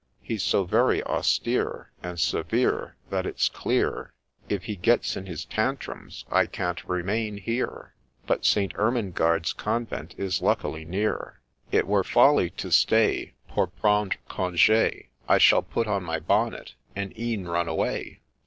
He 's so very austere, and severe, that it 's clear If he gets in his " tantrums," I can't remain here ; But St. Ermengarde's convent is luckily near ; It were folly to stay Pour prendre conge, I shall put on my bonnet, and e'en run away